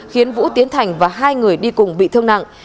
khiến vũ tiến thành và hai người đi cùng bị thương nặng